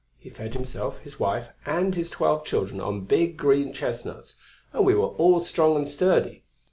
He fed himself, his wife and his twelve children on big green chestnuts, and we were all strong and sturdy.